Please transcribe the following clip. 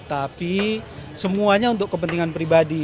tapi semuanya untuk kepentingan pribadi